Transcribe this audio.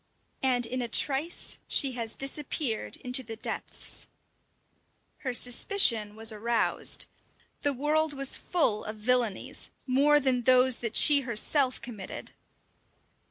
And in a trice she has disappeared into the depths. Her suspicion was aroused. The world was full of villainies, more than those that she herself committed!